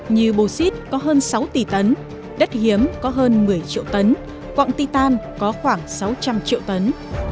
như bô xít có hơn sáu tỷ tấn đất hiếm có hơn một mươi triệu tấn quạng ti tàn có khoảng sáu trăm linh triệu tấn